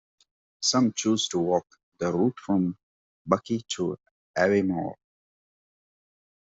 Some choose to walk the route from Buckie to Aviemore.